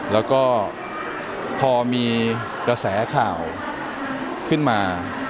แล้วก็พอมีกระแสข่าวขึ้นมา